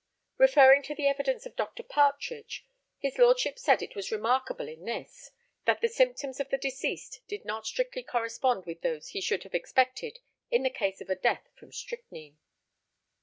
Referring to the evidence of Dr. Partridge, his lordship said it was remarkable in this that the symptoms of the deceased did not strictly correspond with those he should have expected in the case of a death from strychnine.